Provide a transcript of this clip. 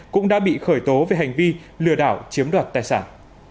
cũng đã bị khởi tố về hành vi lừa đảo chiếm đoạt tài sản